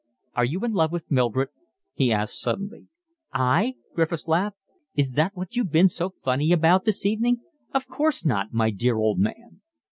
"Are you in love with Mildred?" he asked suddenly. "I?" Griffiths laughed. "Is that what you've been so funny about this evening? Of course not, my dear old man."